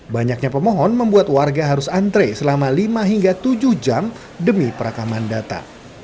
banyaknya pemohon membuat warga harus antre selama lima hingga tujuh jam demi perekaman data